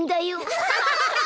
アハハハハ！